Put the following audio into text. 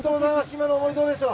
今の思い、どうでしょう。